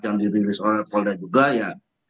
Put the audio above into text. yang dirilis oleh polda juga ya